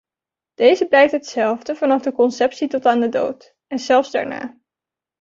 Deze blijft hetzelfde vanaf de conceptie tot aan de dood, en zelfs daarna.